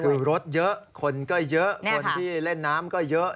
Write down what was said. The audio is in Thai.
คือรถเยอะคนก็เยอะคนที่เล่นน้ำก็เยอะ